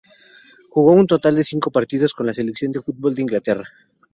Jugó un total de cinco partidos con la selección de fútbol de Inglaterra.